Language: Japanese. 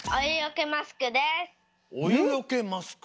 おゆよけマスク？